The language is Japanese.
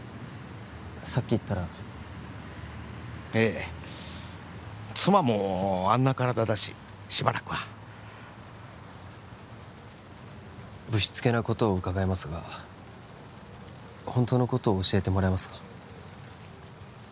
さっき行ったらええ妻もあんな体だししばらくはぶしつけなことを伺いますがホントのことを教えてもらえますか？